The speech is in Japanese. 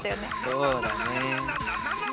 そうだね。